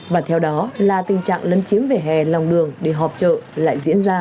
và theo đó là tình trạng lấn chiếm vỉa hè lòng đường để họp chợ lại diễn ra